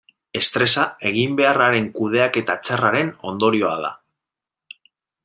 Estresa eginbeharraren kudeaketa txarraren ondorioa da.